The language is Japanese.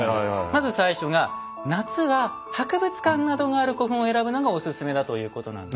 まず最初が夏は博物館などがある古墳を選ぶのがおすすめだということなんです。